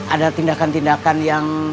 ada tindakan tindakan yang